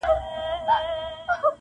نجلۍ پر سر دي منګی مات سه-